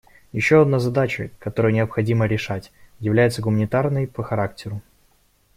Еще одна задача, которую необходимо решать, является гуманитарной по характеру.